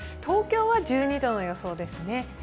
東京は１２度の予想ですね。